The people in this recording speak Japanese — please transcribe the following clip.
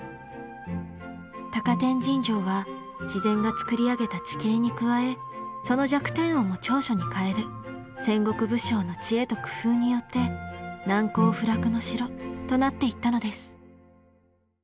高天神城は自然がつくり上げた地形に加えその弱点をも長所に変える戦国武将の知恵と工夫によって難攻不落の城となっていったのです。